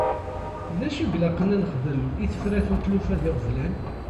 D acu i ilaqen ad nxden i tifrat n tlufa d yiɣeblan?